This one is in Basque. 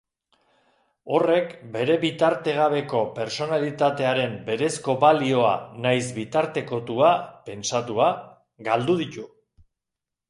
Horrek bere bitartegabeko pertsonalitatearen berezko balioa nahiz bitartekotua, pentsatua, galdu ditu.